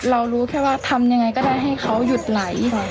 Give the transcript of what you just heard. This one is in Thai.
รู้แค่ว่าทำยังไงก็ได้ให้เขาหยุดไหล